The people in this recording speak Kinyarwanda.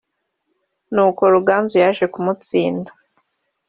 n’uko Ruganzu yaje kumutsinda